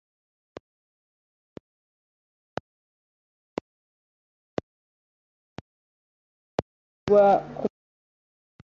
babirukana mu bikari by'urusengero maze abasirikari bashyirwa ku muryango